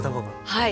はい。